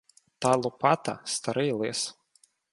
Та Лопата — старий лис.